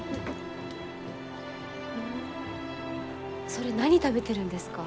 それ何食べてるんですか？